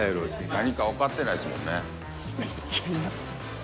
何かわかってないっすもんね。